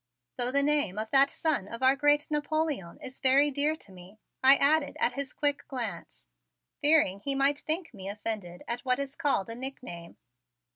"Though the name of that son of our great Napoleon is very dear to me," I added at his quick glance, fearing he might think me offended at what is called a nickname.